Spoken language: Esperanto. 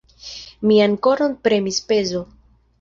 Mian koron premis pezo.